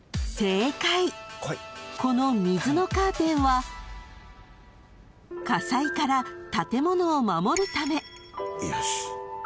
この水のカーテンは火災から建物を守るため］